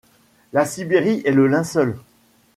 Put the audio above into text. La Sibérie est le linceul.